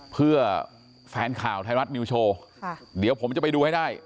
เพื่อแฟนข่าวไทยรัฐนิวโชว์เดี๋ยวผมจะไปดูให้ได้